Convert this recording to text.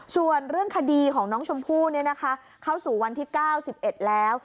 ส่วนเรื่องคดีของน้องชมพู่เข้าสู่วันที่๙๑แล้ว